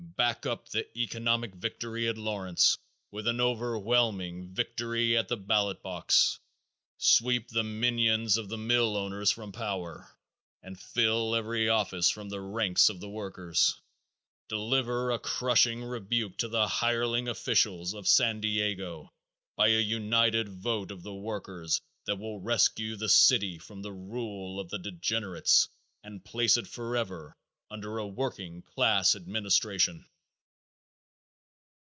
Back up the economic victory at Lawrence with an overwhelming victory at the ballot box! Sweep the minions of the mill owners from power and fill every office from the ranks of the workers! Deliver a crushing rebuke to the hireling officials of San Diego by a united vote of the workers that will rescue the city from the rule of the degenerates and place it forever under a working class administration.